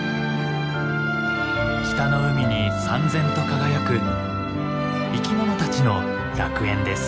北の海にさん然と輝く生き物たちの楽園です。